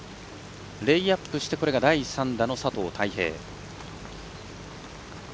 レイアップしてこれが第３打の佐藤大平。